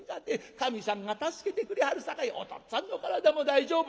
神さんが助けてくれはるさかいおとっつぁんの体も大丈夫や。